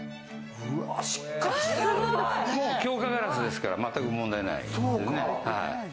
強化ガラスですから、全く問題ない。